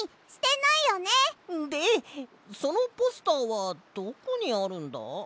でそのポスターはどこにあるんだ？